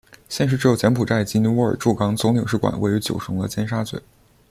现时只有柬埔寨及尼泊尔驻港总领事馆位于九龙的尖沙咀。